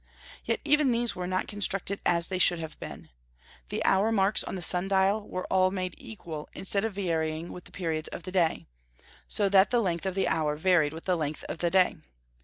Yet even these were not constructed as they should have been. The hour marks on the sun dial were all made equal, instead of varying with the periods of the day, so that the length of the hour varied with the length of the day.